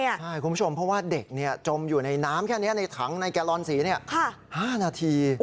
ใช่คุณผู้ชมเพราะว่าเด็กจมอยู่ในน้ำแค่นี้ในถังในแกลลอนสี๕นาที